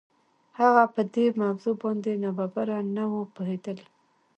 هغه په دې موضوع باندې ناببره نه و پوهېدلی.